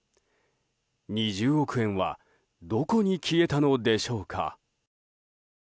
２０億円はどこに消えたのでしょうか。